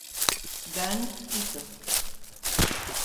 Dan Ito